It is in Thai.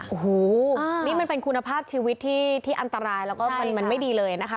โอ้โหนี่มันเป็นคุณภาพชีวิตที่อันตรายแล้วก็มันไม่ดีเลยนะคะ